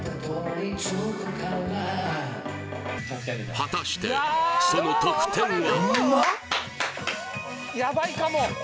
果たしてその得点は？